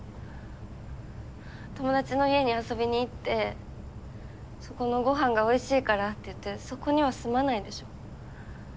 友達の家に遊びに行ってそこのごはんがおいしいからって言ってそこには住まないでしょ？